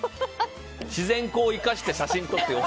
自然光を生かして写真撮って。